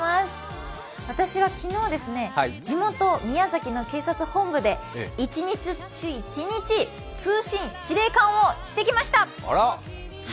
私は昨日、地元・宮崎の警察本部で一日通信指令官をしてきました！